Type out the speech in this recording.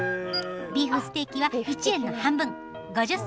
ビーフステーキは１円の半分５０銭。